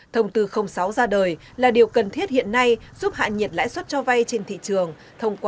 thông tư không rõ lần này là sự điều chỉnh này là mở rộng thêm đối tượng